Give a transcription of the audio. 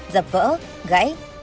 giập vỡ gãy